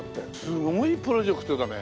すごいプロジェクトだね。